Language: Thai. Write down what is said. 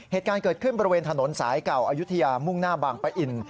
เหตุการณ์เกิดขึ้นบริเวณถนนสายเก่าอายุทยามุ่งหน้าบางปะอิน